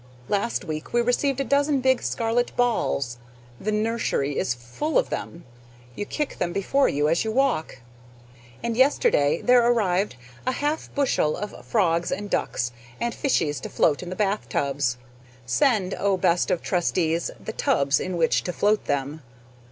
Last week we received a dozen big scarlet balls. The nursery is FULL of them; you kick them before you as you walk. And yesterday there arrived a half bushel of frogs and ducks and fishes to float in the bathtubs. Send, O best of trustees, the tubs in which to float them!